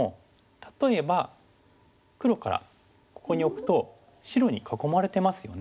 例えば黒からここに置くと白に囲まれてますよね。